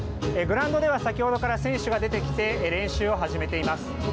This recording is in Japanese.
グラウンドでは先ほどから選手が出てきて、練習を始めています。